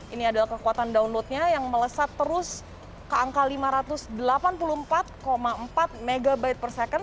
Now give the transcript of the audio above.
ini adalah kekuatan downloadnya yang melesat terus ke angka lima ratus delapan puluh empat empat megabyte per second